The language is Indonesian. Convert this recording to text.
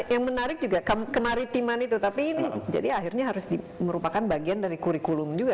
yang menarik juga kemaritiman itu tapi ini jadi akhirnya harus merupakan bagian dari kurikulum juga